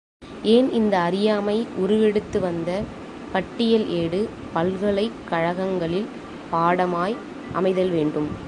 ஏன் இந்த அறியாமை உருவெடுத்துவந்த பட்டியல் ஏடு, பல்கலைக் கழகங்களில் பாடமாய் அமைதல் வேண்டும்?